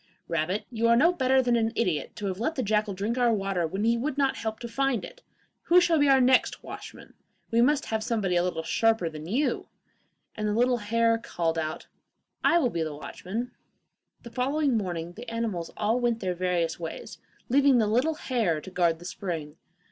'Rabbit, you are no better than an idiot to have let the jackal drink our water when he would not help to find it. Who shall be our next watchman? We must have somebody a little sharper than you!' and the little hare called out, 'I will be the watchman.' The following morning the animals all went their various ways, leaving the little hare to guard the spring.